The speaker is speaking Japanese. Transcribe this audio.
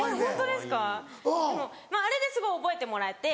でもあれですごい覚えてもらえて。